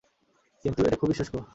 কিন্তু, এটা খুবই শুষ্ক।